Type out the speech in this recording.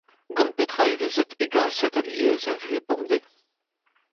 Gant petra e vezit hegaset alies, er vuhez pemdez ?